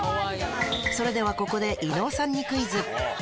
それではここで伊野尾さんにクイズ。